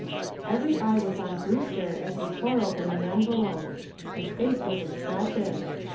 Every eye was on Brewster as he tore open the envelope. His face was expressive.